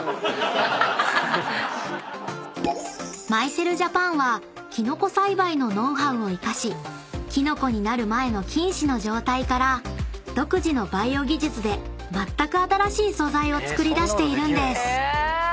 ［ＭＹＣＬＪａｐａｎはキノコ栽培のノウハウを生かしキノコになる前の菌糸の状態から独自のバイオ技術でまったく新しい素材を作りだしているんです］